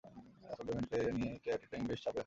আসলে, ডেমিয়েনকে নিয়ে ক্যাট ইদানিং বেশ চাপে আছে।